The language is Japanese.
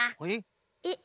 えっ。